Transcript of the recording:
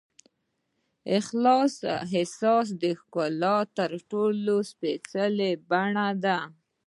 خالص احساس د ښکلا تر ټولو سپېڅلې بڼه ده.